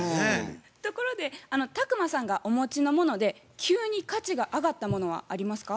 ところで宅麻さんがお持ちのもので急に価値が上がったものはありますか？